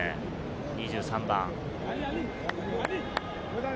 ２３番。